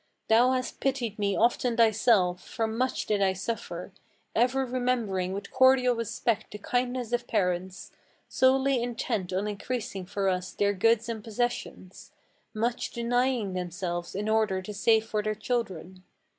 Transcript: Thou has pitied me often thyself; for much did I suffer, Ever remembering with cordial respect the kindness of parents, Solely intent on increasing for us their goods and possessions, Much denying themselves in order to save for their children.